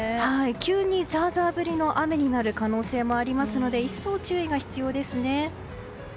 急にザーザー降りの雨になる可能性もありますので一層注意が必要ですね。